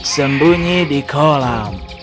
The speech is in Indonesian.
sembunyi di kolam